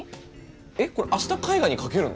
えっこれ明日絵画にかけるの？